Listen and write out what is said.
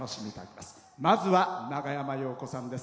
まずは、長山洋子さんです。